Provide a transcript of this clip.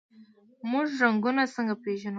موږ رنګونه څنګه پیژنو؟